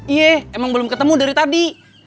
iya emang belum ketemu dari tadi